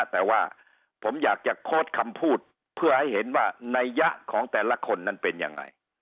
แต่ว่าผมอยากจะโค้ดคำพูดเพื่อให้เห็นว่านัยยะของแต่ละคนนั้นเป็นยังไง